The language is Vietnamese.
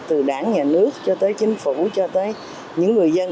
từ đảng nhà nước cho tới chính phủ cho tới những người dân